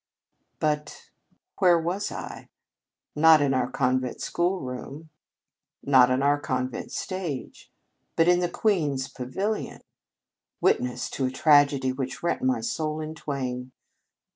But where was I ? Not in our con vent schoolroom, not on our convent 68 The Convent Stage stage; but in the queen s pavilion, witness to a tragedy which rent my soul in twain.